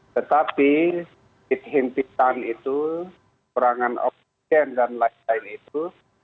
tetapi himpit himpitan itu kurangan oksigen dan lain lain itu